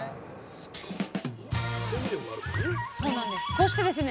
そしてですね